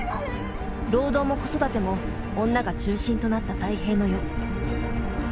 労働も子育ても女が中心となった太平の世。